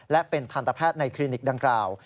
และเป็นทันตแพทย์ในคลินิกดังกล่าว